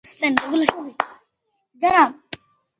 لما سألت عن الحقيقة قيل لي